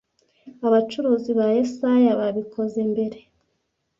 Abacuruzi ba Yesaya babikoze mbere